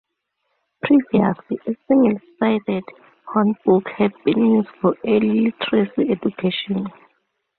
Previously, a single-sided hornbook had been used for early literacy education.